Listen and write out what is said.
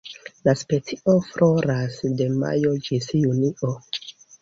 La specio floras de majo ĝis junio.